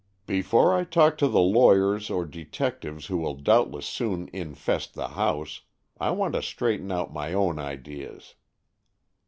"Before I talk to the lawyers or detectives who will doubtless soon infest the house, I want to straighten out my own ideas."